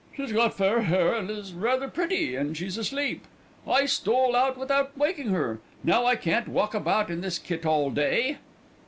"She's got fair hair and is rather pretty, and she's asleep. I stole out without waking her. Now, I can't walk about in this kit all day."